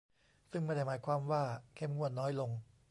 ซึ่งไม่ได้หมายความว่าเข้มงวดน้อยลง